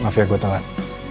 maaf ya gue telat